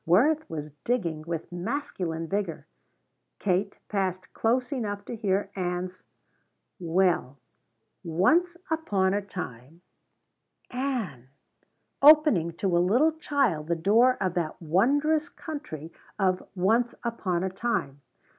Worth was digging with masculine vigor. Kate passed close enough to hear Ann's, "Well, once upon a time " Ann! opening to a little child the door of that wondrous country of Once upon a Time!